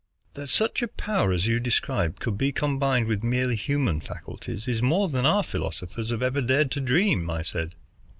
"That such a power as you describe could be combined with merely human faculties is more than our philosophers have ever dared to dream," I said.